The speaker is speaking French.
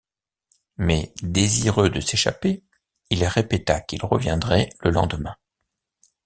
Mais, désireux de s’échapper, il répéta qu’il reviendrait le lendemain.